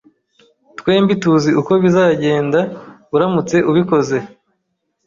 Twembi tuzi uko bizagenda uramutse ubikoze